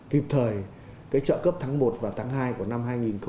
đồng thời trợ cấp tháng một và tháng hai của năm hai nghìn hai mươi bốn